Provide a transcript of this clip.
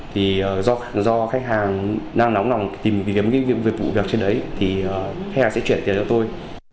thì do khách hàng đang nóng nòng tìm kiếm cái việc vụ việc trên đấy thì he sẽ chuyển tiền cho tôi